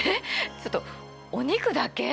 ちょっとお肉だけ？